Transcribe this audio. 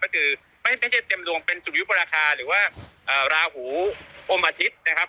ก็คือไม่ได้เต็มดวงเป็นสุยุปราคาหรือว่าราหูอมอาทิตย์นะครับ